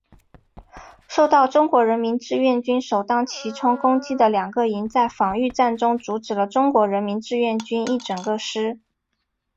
受到中国人民志愿军首当其冲攻击的两个营在防御战中阻止了中国人民志愿军一整个师。